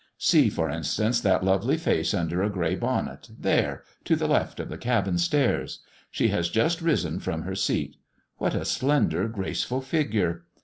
See, for instance, that lovely face under a grey bonnet there! to the left of the cabin stairs. She has just risen from her seat. What a slender, graceful figure!